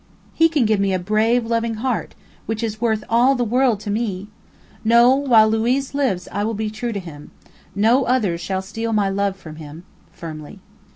"He can give me a brave, loving heart, which is worth all the world to me! No; while Luiz lives I will be true to him. No other shall steal my love from him," firmly.